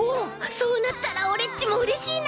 そうなったらオレっちもうれしいな！